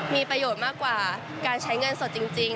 มีประโยชน์มากกว่าการใช้เงินสดจริง